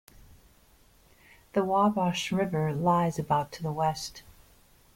The Wabash River lies about to the west.